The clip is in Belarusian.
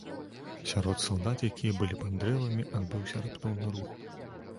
Сярод салдат, якія былі пад дрэвамі, адбыўся раптоўны рух.